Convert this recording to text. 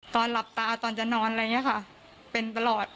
ตอนหลับตาตอนจะนอนอะไรอย่างนี้ค่ะเป็นตลอด